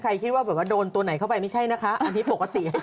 คิดว่าแบบว่าโดนตัวไหนเข้าไปไม่ใช่นะคะอันนี้ปกติ